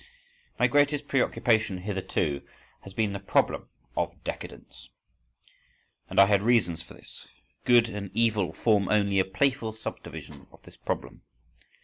My greatest preoccupation hitherto has been the problem of decadence, and I had reasons for this. "Good and evil" form only a playful subdivision of this problem.